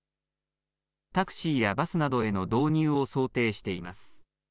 タクシーやバスなどへの導入を想定しています。